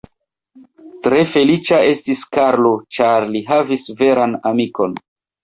Tre feliĉa estis Karlo, ĉar li havis veran amikon.